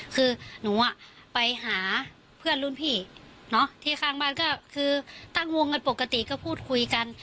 คือหนูอ่ะไปหาเพื่อนรุ่นพี่ที่ข้างบ้านก็คือตั้งวงกันปกติก็พูดคุยกัน